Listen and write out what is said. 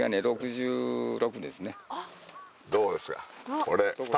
どうですか？